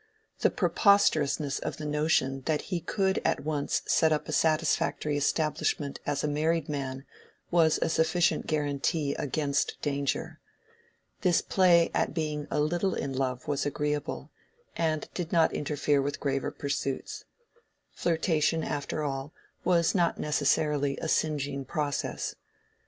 The preposterousness of the notion that he could at once set up a satisfactory establishment as a married man was a sufficient guarantee against danger. This play at being a little in love was agreeable, and did not interfere with graver pursuits. Flirtation, after all, was not necessarily a singeing process.